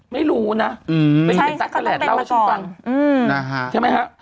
ไม่รู้นะไม่เห็นสัตว์แหล่นเล่าให้ทุกคนฟังใช่ไหมฮะ